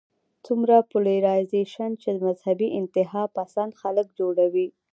څومره پولرايزېشن چې مذهبي انتها پسند خلک جوړوي